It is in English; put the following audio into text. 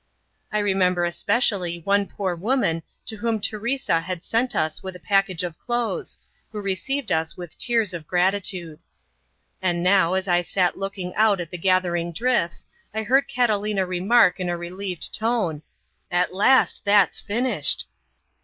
I remember especially one poor woman to whom Teresa had sent us with a package of clothes, who received us with tears of gratitude. And now, as I sat looking out at the gathering drifts, I heard Catalina remark in a relieved tone, "At last that's finished!"